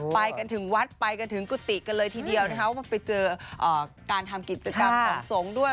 ไปกันถึงวัดไปกันถึงกุฏิกันเลยทีเดียวนะคะว่าไปเจอการทำกิจกรรมของสงฆ์ด้วย